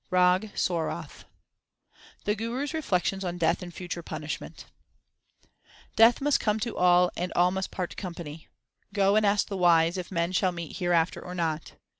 RAG SORATH The Guru s reflections on death and future punishment : Death must come to all and all must part company ; Go and ask the wise if men shall meet hereafter or not.